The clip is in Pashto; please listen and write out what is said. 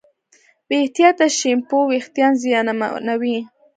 بې احتیاطه شیمپو وېښتيان زیانمنوي.